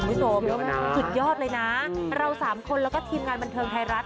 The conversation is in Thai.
แม่คนและทีมการบรรเทิงไทยรัฐ